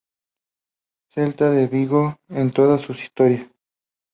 Celta de Vigo en toda su historia.